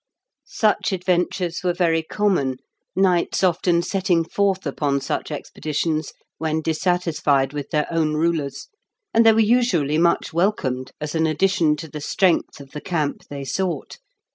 Such adventures were very common, knights often setting forth upon such expeditions when dissatisfied with their own rulers, and they were usually much welcomed as an addition to the strength of the camp they sought.